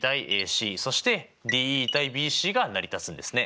そしてＤＥ：ＢＣが成り立つんですね。